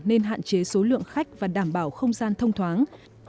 nên hạn chế số lượng khách và đảm bảo không gian thông thoáng